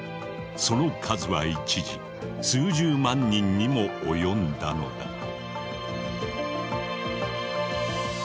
その数は一時数十万人にも及んだのだ。